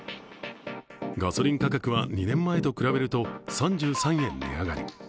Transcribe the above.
ガソリン価格は２年前と比べると３３円値上がり。